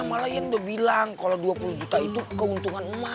malah iyan udah bilang kalo dua puluh juta itu keuntungan mah